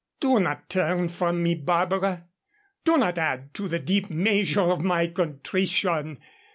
"Do not turn from me, Barbara. Do not add to the deep measure of my contrition.